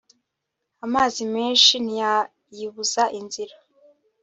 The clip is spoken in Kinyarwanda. amazi menshi ntiyayibuza inzira